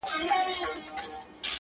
اوس د شپې نکلونه دي پېیلي په اغزیو!!